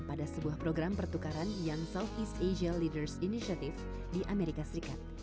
pada sebuah program pertukaran young southeast asia leaders initiative di amerika serikat